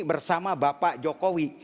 bersama bapak jokowi